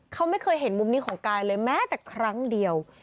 เขาไม่เคยเห็นมุมนี้ของกายเลยแม้แต่ครั้งเดียว